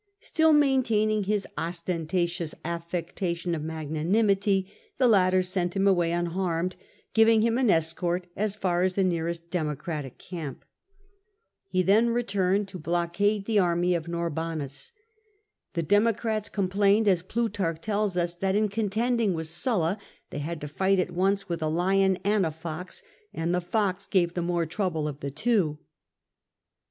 Still maintaining his ostentatious affectation of magnanimity, the latter sent him away unharmed, giving him an escort as far as the nearest Democratic camp. He then returned to blockade the army of Norbanus. The Democrats com plained, as Plutarch tells us, that ' 4 n contending with Sulla they had to fight at once with a lion and a fox, and the fox gave the more trouble of the two."